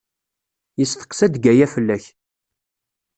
Yesteqsa-d Gaya fell-ak.